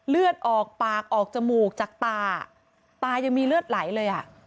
เลือดออกปากออกจมูกจากตาตายังมีเลือดไหลเลยอ่ะ